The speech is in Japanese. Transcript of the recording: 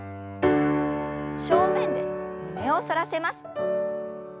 正面で胸を反らせます。